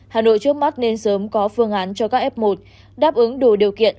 hà nội trước mắt nên sớm có phương án cho các f một đáp ứng đủ điều kiện